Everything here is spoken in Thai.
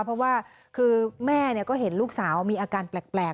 เพราะว่าคือแม่ก็เห็นลูกสาวมีอาการแปลก